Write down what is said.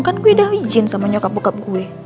kan gue udah ujin sama nyokap bokap gue